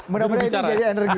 menurut saya ini jadi energi